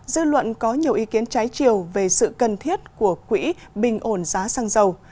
dư luận có nhiều ý kiến trái chiều về sự cần thiết của quỹ bình ổn giá xăng dầu